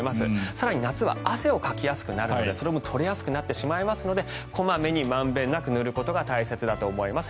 更に、夏は汗をかきやすくなるのでそれで取れやすくなってしまうので小まめに満遍なく塗ることが大切だと思います。